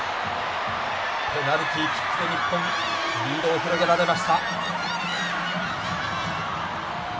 ペナルティーキックで日本、リードを広げられました。